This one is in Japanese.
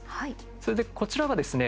それで、こちらがですね